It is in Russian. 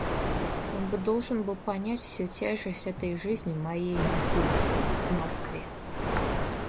Он бы должен был понять всю тяжесть этой жизни моей здесь, в Москве.